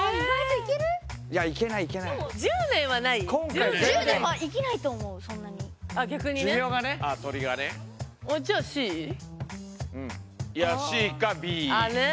いやＣかＢ。